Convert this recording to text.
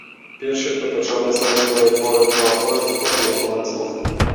Першы, хто пачаў пісаць свае творы па-польску, а не па-лацінску.